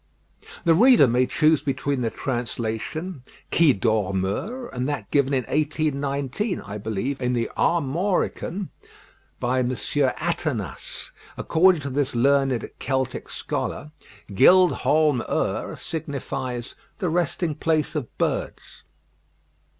The reader may choose between the translation, Qui dort meurt, and that given in 1819, I believe in The Armorican, by M. Athenas. According to this learned Celtic scholar, Gild Holm 'Ur signifies "The resting place of birds."